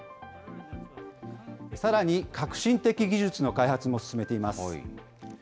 さらに革新的技術の開発も進めています。